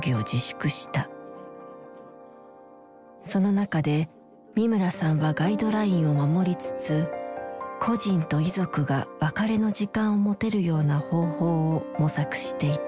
その中で三村さんはガイドラインを守りつつ故人と遺族が別れの時間を持てるような方法を模索していた。